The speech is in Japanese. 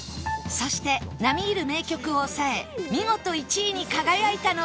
そして並み居る名曲を抑え見事１位に輝いたのは